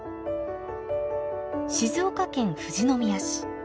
静岡県富士宮市。